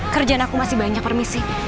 kerjaan aku masih banyak permisi